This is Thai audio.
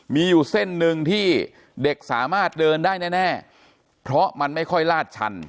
มีอยู่เส้นหนึ่งที่เด็กสามารถเดินได้แน่เพราะมันไม่ค่อยลาดชัน